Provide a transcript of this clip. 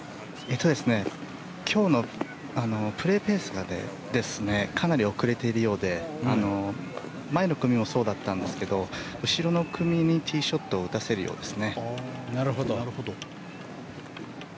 今日のプレーペースがかなり遅れているようで前の組もそうだったんですが後ろの組にティーショットを打たせるようです。